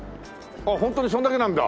ああホントにそれだけなんだ。